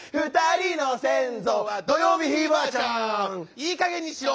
いいかげんにしろ！